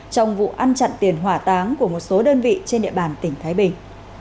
trong vụ ăn chặn tiền hỏa táng của một số đơn vị trên địa bàn tỉnh thái bình